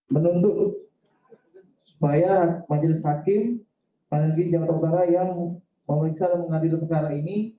menuntut supaya majelis hakim panengin jawa tenggara yang memeriksa dan mengadil perkara ini